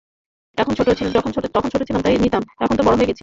তখন ছোট ছিলাম তাই নিতাম, এখন তো বড় হয়ে গেছি।